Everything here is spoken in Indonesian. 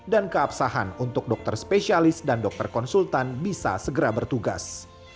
dan keabsahan untuk dokter spesialis dan dokter konsultan bisa segera bertugas